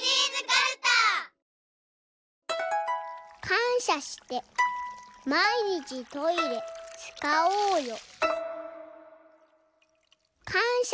「かんしゃしてまいにちトイレつかおうよ」。